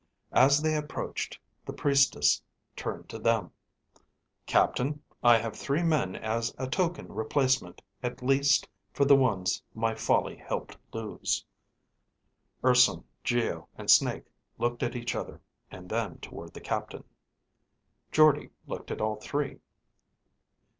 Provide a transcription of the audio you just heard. As they approached, the priestess turned to them. "Captain, I have three men as a token replacement at least for the ones my folly helped lose." Urson, Geo, and Snake looked at each other, and then toward the captain. Jordde looked at all three.